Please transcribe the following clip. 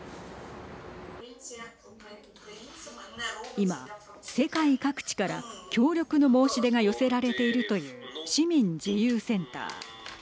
今世界各地から協力の申し出が寄せられているという市民自由センター。